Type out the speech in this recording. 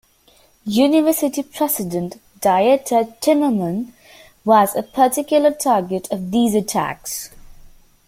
University president Dieter Timmermann was a particular target of these attacks.